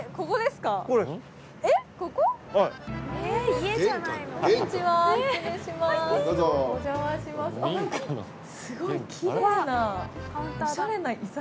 すごいきれいな。